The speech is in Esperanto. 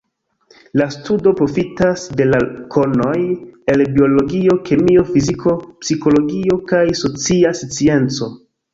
La studo profitas de la konoj el biologio, kemio, fiziko, psikologio kaj socia scienco.